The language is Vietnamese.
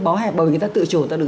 bó hẹp bởi vì người ta tự chủ